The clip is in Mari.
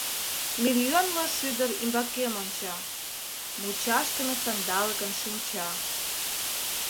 Мильонло шӱдыр ӱмбакем онча — Мучашдыме сандалыкын шинча.